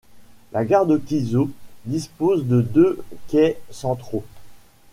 La gare de Kizu dispose de deux quais centraux.